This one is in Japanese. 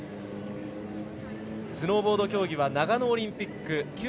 スノーボード競技は長野オリンピック